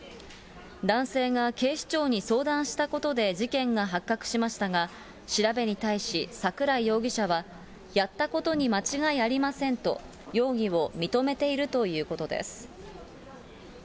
男性が警視庁に相談したことで事件が発覚しましたが、調べに対し桜井容疑者は、やったことに間違いありませんと容疑を認めているということです。